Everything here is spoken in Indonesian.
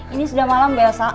ini sudah malam bu elsa